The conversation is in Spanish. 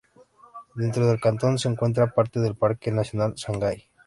Dentro del cantón se encuentra parte del Parque nacional Sangay.